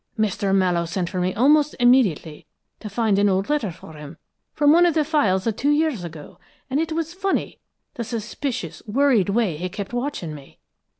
Mr. Mallowe sent for me almost immediately, to find an old letter for him, from one of the files of two years ago, and it was funny, the suspicious, worried way he kept watching me!"